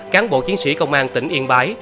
cán bộ chiến sĩ công an tỉnh yên bái